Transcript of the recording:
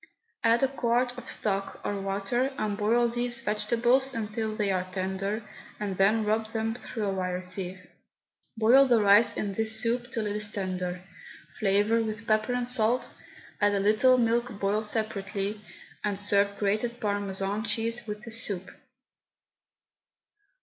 Add a quart of stock, or water, and boil these vegetables until they are tender, and then rub them through a wire sieve. Boil the rice in this soup till it is tender, flavour with pepper and salt, add a little milk boiled separately, and serve grated Parmesan cheese with the soup.